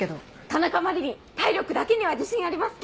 田中麻理鈴体力だけには自信あります。